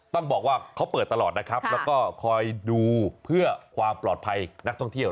ต้องบอกว่าเขาเปิดตลอดนะครับแล้วก็คอยดูเพื่อความปลอดภัยนักท่องเที่ยว